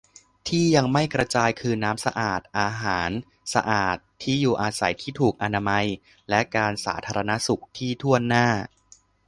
ที่ยังไม่กระจายคือน้ำสะอาด อาหารสะอาด ที่อยู่อาศัยที่ถูกอนามัย และการสาธารณสุขที่ถ้วนหน้า